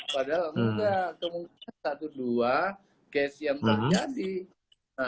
padahal mungkin ada satu dua kes yang banyak sih